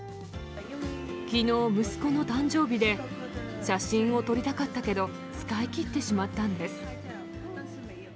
きのう、息子の誕生日で、写真を撮りたかったけど、使い切ってしまったんです。